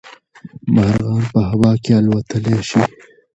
مارغان په هوا کې الوتلی شي